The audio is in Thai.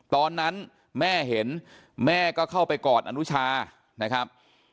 ตอนนั้นแม่เห็นแม่ก็เข้าไปกอดอนุชานะครับ